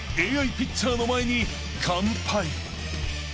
ＡＩピッチャーの前に完敗］